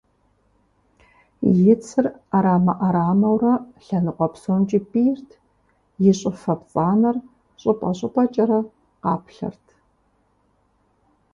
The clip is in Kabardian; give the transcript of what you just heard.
И цыр Ӏэрамэ Ӏэрамэурэ лъэныкъуэ псомкӀи пӀийрт, и щӀыфэ пцӀанэр щӀыпӀэ щӀыпӀэкӀэрэ къаплъэрт.